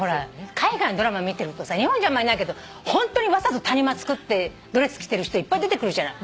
海外のドラマ見てるとさ日本じゃあんまりないけどホントにわざと谷間つくってドレス着てる人いっぱい出てくるじゃない。